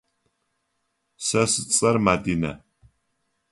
Сэ сцӏэр Мадинэ.